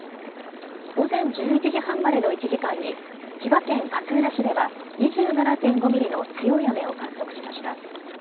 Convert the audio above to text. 午前１１時半までの１時間に千葉県勝浦市では２７．５ミリの強い雨を観測しました。